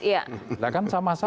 ya kan sama saja